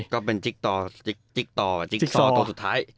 ก็เป็นจิ๊กตอตัวสุดท้าย